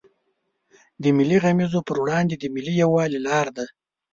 د ملي غمیزو پر وړاندې د ملي یوالي لار ده.